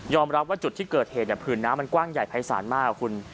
ยอมรับว่าจุดที่เกิดเหตุเนี่ยผืนน้ำมันกว้างใหญ่ภายสารมากครับคุณ